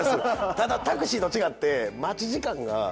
ただタクシーと違って待ち時間が。